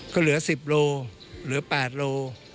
ก็เหลือ๑๐โลเหลือ๘โล